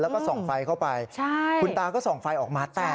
แล้วก็ส่องไฟเข้าไปใช่คุณตาก็ส่องไฟออกมาแตก